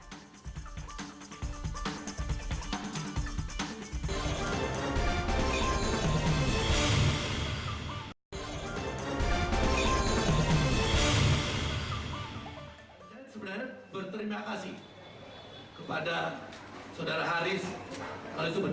sebenarnya berterima kasih kepada saudara haris kalau itu benar